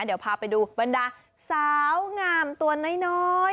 เดี๋ยวพาไปดูบรรดาสาวงามตัวน้อย